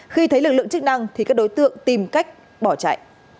khi thấy lực lượng chức năng thì các đối tượng tìm cách bỏ chạy